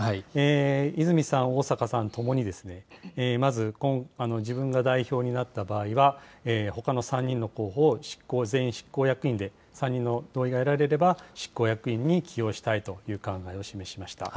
泉さん、逢坂さんともに、まず自分が代表になった場合は、ほかの３人の候補を執行、全員執行役員で、３人の同意が得られれば、執行役員に起用したいという考えを示しました。